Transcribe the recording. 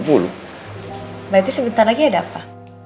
berarti sebentar lagi ada apa